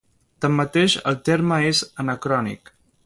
Tanmateix el terme és anacrònic.